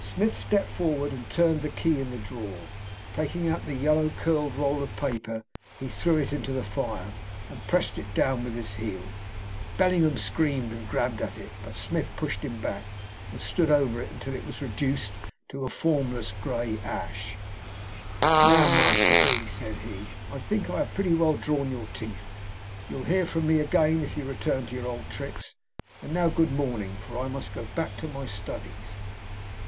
Smith stepped forward and turned the key in the drawer. Taking out the yellow, curled roll of paper, he threw it into the fire, and pressed it down with his heel. Bellingham screamed, and grabbed at it; but Smith pushed him back, and stood over it until it was reduced to a formless grey ash. "Now, Master B.," said he, "I think I have pretty well drawn your teeth. You'll hear from me again, if you return to your old tricks. And now good morning, for I must go back to my studies."